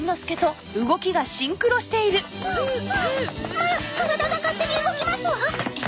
まあ体が勝手に動きますわ！